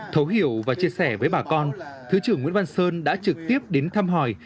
thấu hiểu và chia sẻ với bà con thứ trưởng nguyễn văn sơn đã trực tiếp đến thăm hỏi